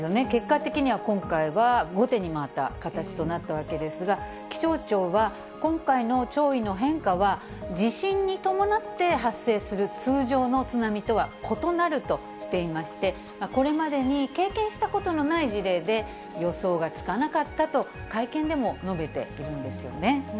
結果的には、今回は後手に回った形となったわけですが、気象庁は、今回の潮位の変化は、地震に伴って発生する通常の津波とは異なるとしていまして、これまでに経験したことのない事例で、予想がつかなかったと会見でも述べているんですよね。